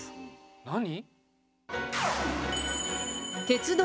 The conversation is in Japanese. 何？